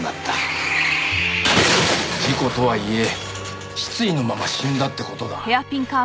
事故とはいえ失意のまま死んだって事だ。